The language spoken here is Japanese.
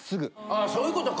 あそういうことか。